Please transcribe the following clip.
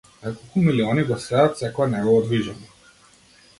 Неколку милиони го следат секое негово движење.